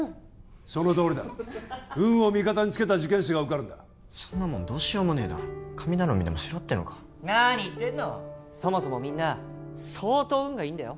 そのとおりだ運を味方につけた受験生が受かるんだそんなもんどうしようもねえだろ神頼みでもしろってのかなに言ってんのそもそもみんな相当運がいいんだよ